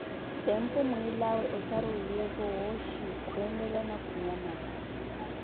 Tempu mwiilawe osaruwiyevo wooxhi, khwemela na khunyamala.